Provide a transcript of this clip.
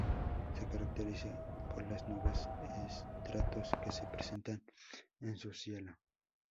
Se caracteriza por las nubes estratos que se presentan en su cielo.